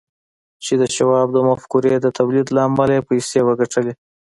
چې د شواب د مفکورې د توليد له امله يې پيسې وګټلې.